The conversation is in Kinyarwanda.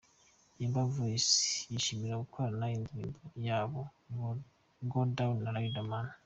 Yemba Voice yishimiye gukorana indirimbo yabo 'Go Down' na Riderman.